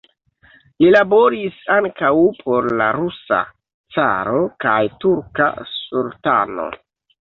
Li laboris ankaŭ por la rusa caro kaj turka sultano.